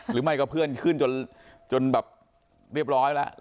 หรือไม่ก็เพื่อนขึ้นจนแบบเรียบร้อยแล้ว